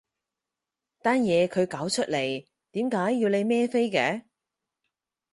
單嘢佢搞出嚟，點解要你孭飛嘅？